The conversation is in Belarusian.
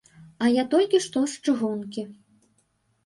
А я толькі што з чыгункі.